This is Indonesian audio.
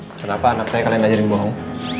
kenapa anak saya kalian ajarin bohong